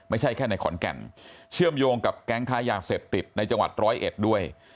ไม่ใช่แค่ในขอนแก่นเชื่อมโยงกับแก๊งค้ายาเสพติดในจังหวัดร้อยเอ็ดด้วย